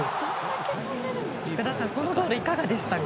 福田さん、このゴールいかがでしたか？